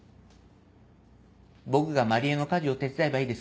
僕が万里江の家事を手伝えばいいですか？